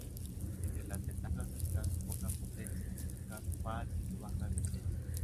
Entre las desventajas están su poca potencia, su escaso par y su baja eficiencia.